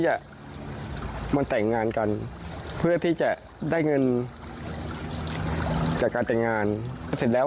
อ่ะมันแต่งงานกันเพื่อที่จะได้เงินจากการแต่งงานเสร็จแล้ว